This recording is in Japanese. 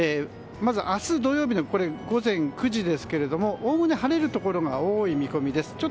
まず明日土曜日の午前９時ですがおおむね晴れるところが多い見込みです。